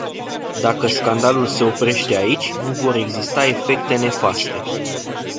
Dacă scandalul se oprește aici, nu vor exista efecte nefaste.